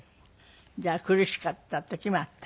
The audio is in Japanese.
じゃあ苦しかった時もあった。